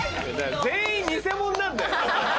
全員偽者なんだよ。